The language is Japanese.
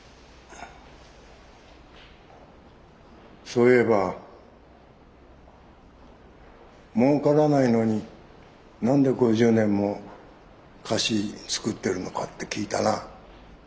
そういえば「もうからないのに何で５０年も菓子作ってるのか」って聞いたな。